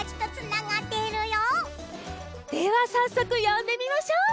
さっそくよんでみましょう。